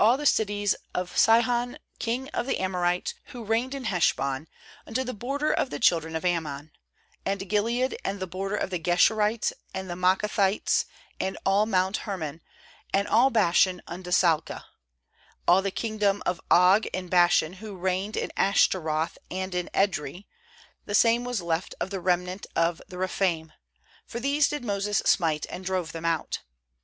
1 the cities of Sihon king of the Amor ites, who reigned in Heshbon, unto the border of the children of Ammon; "and Gilead, and the border of the Geshurites and Maacathites, and all mount Hennon, and all Bashan unto Salcah; 12all the kingdom of Og in Bashan, who reigned in Ashtaroth and in Edrei — the same was left of the remnant of the Rephaim — for these did Moses smite, and drove them out.